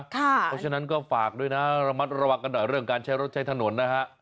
เพราะฉะนั้นก็ฝากด้วยนะระมัดระวังกันหน่อยเรื่องการใช้รถใช้ถนนนะฮะ